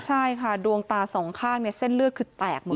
ใช่ค่ะดวงตาสองข้างเส้นเลือดคือแตกหมด